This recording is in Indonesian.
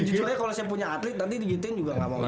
jujurnya kalau saya punya atlet nanti digitin juga nggak mau